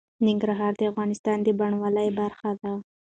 ننګرهار د افغانستان د بڼوالۍ برخه ده.